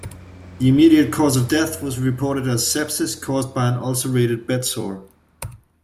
The immediate cause of death was reported as sepsis caused by an ulcerated bedsore.